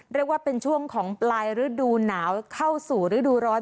เรียกว่าเป็นช่วงของปลายฤดูหนาวเข้าสู่ฤดูร้อน